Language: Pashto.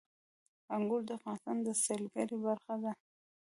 انګور د افغانستان د سیلګرۍ برخه ده.